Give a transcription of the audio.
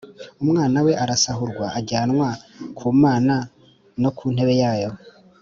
Umwana we arasahurwa ajyanwa ku Mana no ku ntebe yayo.